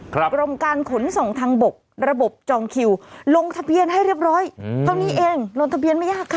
กรมการขนส่งทางบกระบบจองคิวลงทะเบียนให้เรียบร้อยเท่านี้เองลงทะเบียนไม่ยากค่ะ